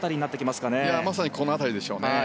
まさにこの辺りでしょうね。